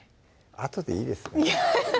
あとでいいですね